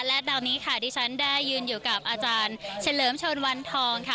และดาวนี้ค่ะดิฉันได้ยืนอยู่กับอาจารย์เฉลิมชนวันทองค่ะ